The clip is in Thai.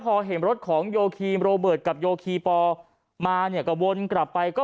พอเห็นรถของโยคีมโรเบิร์ตกับโยคีปอมาเนี่ยก็วนกลับไปก็